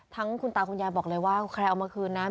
ทั้งคุณตาคุณยาบอกเลยว่าคุณแคร์เอามาคืนนะ